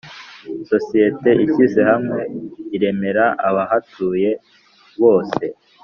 Sosiyete yishyize hamwe iremera abahatuye bose